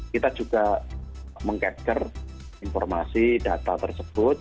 kita juga meng capture informasi data tersebut